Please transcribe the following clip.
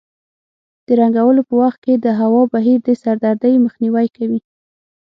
د رنګولو په وخت کې د هوا بهیر د سردردۍ مخنیوی کوي.